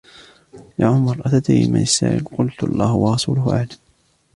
يا عُمَرُ، أَتَدْرِي مَنِ السَّائِلُ؟. قُلتُ: اللهُ وَرَسُولُهُ أَعْلَمُ.